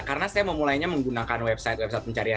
karena saya memulainya menggunakan website website pencarian